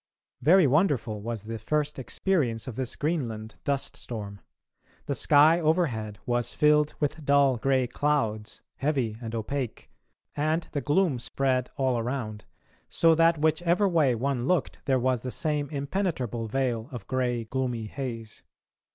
Very wonderful was the first experience of this Greenland dust storm. The sky overhead was filled with dull grey clouds, heavy and opaque, and the gloom spread all around, so that whichever way one looked there was the same impenetrable veil of grey gloomy haze.